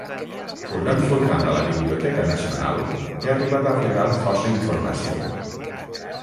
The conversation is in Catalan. Furgant furgant a la Biblioteca Nacional he arribat a aplegar força informació.